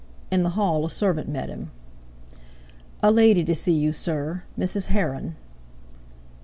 In the hall a servant met him. "A lady to see you, sir; Mrs. Heron."